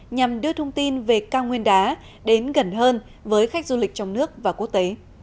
nhằm đưa thông tin về cao nguyên đá đến gần hơn với khách du lịch trong nước và quốc tế